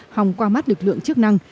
hòng qua mắt lực lượng chức năng